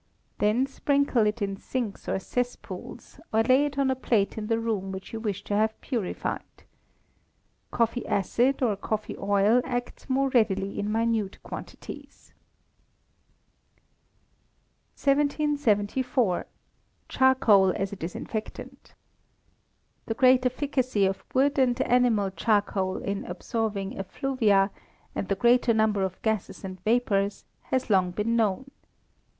Then sprinkle it in sinks or cess pools, or lay it on a plate in the room which you wish to have purified. Coffee acid or coffee oil acts more readily in minute quantities. 1774. Charcoal as a Disinfectant. The great efficacy of wood and animal charcoal in absorbing effluvia, and the greater number of gases and vapours, has long been known.